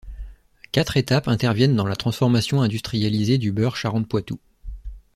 Quatre étapes interviennent dans la transformation industrialisée du beurre Charentes-Poitou.